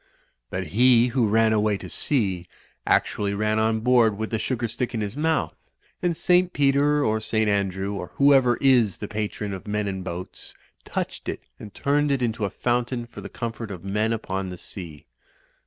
But he who ran away to sea actually ran on board with the sugar stick in his mouth; and St. Peter or St. Andrew, or whoever is the patron of men in boats, touched it and turned it into a fountain for the comfort of men upon the sea.